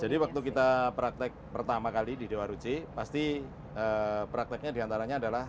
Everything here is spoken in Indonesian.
jadi waktu kita praktek pertama kali di dewa ruchi pasti prakteknya diantaranya adalah